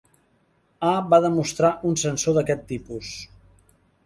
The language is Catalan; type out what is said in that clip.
A va demostrar un sensor d'aquest tipus.